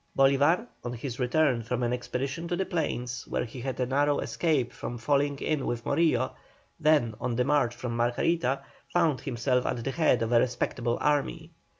Bolívar, on his return from an expedition to the plains, where he had a narrow escape from falling in with Morillo, then on the march for Margarita, found himself at the head of a respectable army.